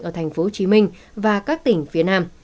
ở tp hcm và các tỉnh phía nam